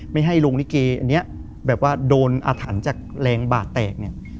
ไม่ให้โรงนิเกแบบว่าโดนอสถานจากแรงบาดแตก